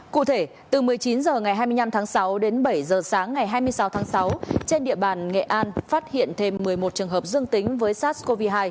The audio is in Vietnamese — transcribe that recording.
cụ thể từ một mươi chín h ngày hai mươi năm tháng sáu đến bảy h sáng ngày hai mươi sáu tháng sáu trên địa bàn nghệ an phát hiện thêm một mươi một trường hợp dương tính với sars cov hai